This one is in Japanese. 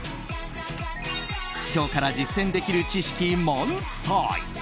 今日から実践できる知識満載！